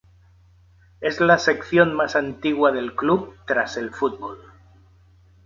Es la sección más antigua del club tras el fútbol.